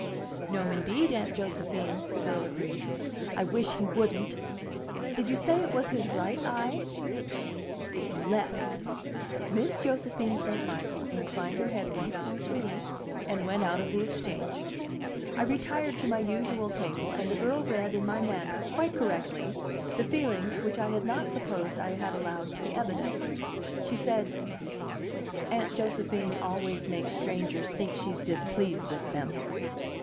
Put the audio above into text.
"No, indeed, Aunt Josephine!" the girl agreed. "I wish he wouldn't. Did you say it was his right eye?" "His left." Miss Josephine St. Michael inclined her head once more to me and went out of the Exchange. I retired to my usual table, and the girl read in my manner, quite correctly, the feelings which I had not supposed I had allowed to be evident. She said: "Aunt Josephine always makes strangers think she's displeased with them."